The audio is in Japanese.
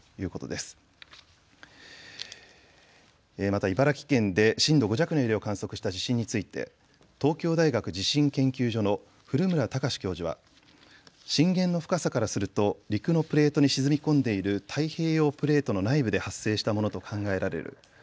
また茨城県で震度５弱の揺れを観測した地震について東京大学地震研究所の古村孝志教授は、震源の深さからすると陸のプレートに沈み込んでいる太平洋プレートの内部で発生したものと考えられる。